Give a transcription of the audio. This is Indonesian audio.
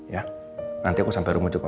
ya nanti aku sampai rumah joko